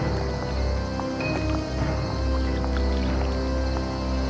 lampu itu berlalu